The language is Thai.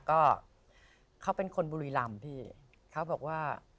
ก็เขาเป็นคนบุรีรำพี่เขาบอกว่า